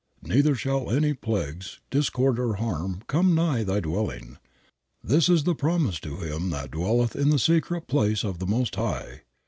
"Neither shall any plagues (discord or harm) come nigh thy dwelling. This is the promise to him that dwelleth in the secret place of the Most High.